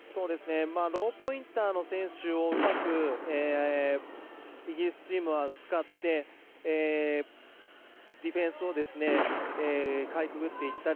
ローポインターの選手をうまくイギリスチームは使って、ディフェンスをかいくぐっていったり。